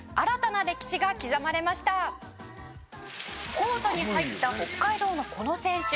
「コートに入った北海道のこの選手」